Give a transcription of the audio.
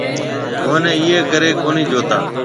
مھنيَ اِيئي رَي ڪري ڪونھيَََ جوتا۔